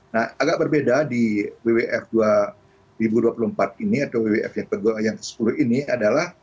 nah agak berbeda di wwf dua ribu dua puluh empat ini atau wwf yang ke sepuluh ini adalah